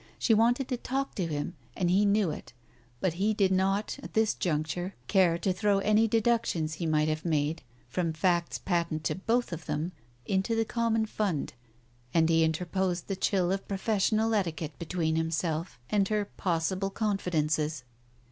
She wanted to talk to him, and he knew it. But he did not, at this juncture, care to throw any deductions he might have made from facts patent to both of them, into the common fund, and he interposed the. chill of professional etiquette between himself and her possible confidences.